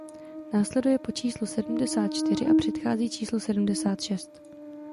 Následuje po číslu sedmdesát čtyři a předchází číslu sedmdesát šest.